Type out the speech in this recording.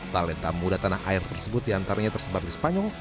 talenta muda tanah air tersebut diantaranya tersebar di spanyol